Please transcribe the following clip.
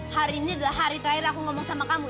hari ini adalah hari terakhir aku ngomong sama kamu